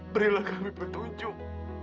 berilah kami petunjuk